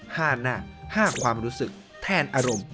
๕หน้า๕ความรู้สึกแทนอารมณ์